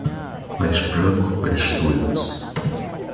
Peixe branco, peixe doente.